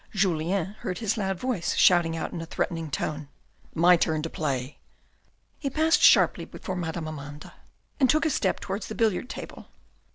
Julien heard his loud voice shouting out in a threatening tone, " My turn to play." He passed sharply before Madame Amanda, and took a step towards the billiard table.